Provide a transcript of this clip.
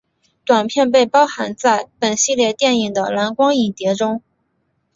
短片被包含在本系列电影的蓝光影碟中。